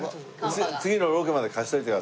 次のロケまで貸しておいてください。